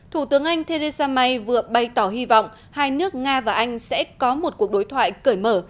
thủ tướng anh theresa may vừa bày tỏ hy vọng hai nước nga và anh sẽ có một cuộc đối thoại cởi mở